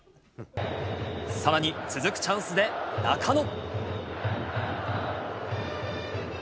さらに続くチャンスで中野。